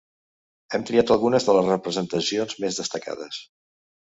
Hem triat algunes de les representacions més destacades.